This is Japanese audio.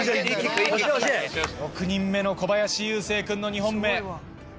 ６人目の小林悠晟君の２本目。